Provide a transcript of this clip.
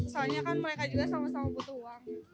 soalnya kan mereka juga sama sama butuh uang